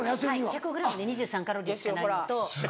１００ｇで２３カロリーしかないのと。